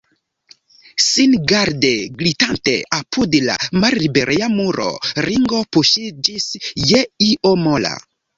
Singarde glitante apud la mallibereja muro, Ringo puŝiĝis je io mola.